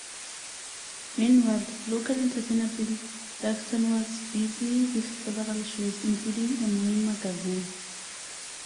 Meanwhile, local entertainer Bill Luxton was busy with several shows, including a morning magazine.